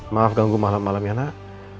maaf ganggu malam malam ya nak